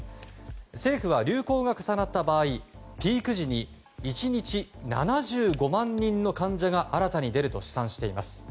政府は流行が重なった場合ピーク時に１日７５万人の患者が新たに出ると試算しています。